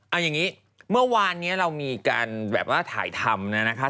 อันอย่างนี้เมื่อวานเนี่ยเรามีการแบบว่าถ่ายทำเนี่ยนะคะ